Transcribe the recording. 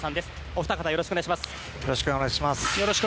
お二方、よろしくお願いします。